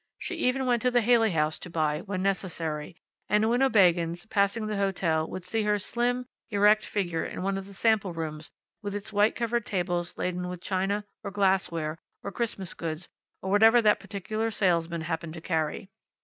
She even went to the Haley House to buy, when necessary, and Winnebagoans, passing the hotel, would see her slim, erect figure in one of the sample rooms with its white covered tables laden with china, or glassware, or Christmas goods, or whatever that particular salesman happened to carry.